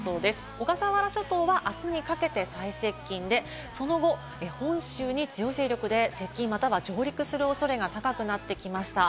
小笠原諸島はあすにかけて最接近で、その後、本州に強い勢力で接近または上陸するおそれが高くなってきました。